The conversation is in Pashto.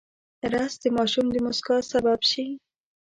رس د ماشوم د موسکا سبب شي